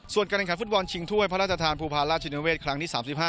ส่วนการแข่งขันฟุตบอลชิงถ้วยพระราชทานภูพาราชินเวศครั้งที่๓๕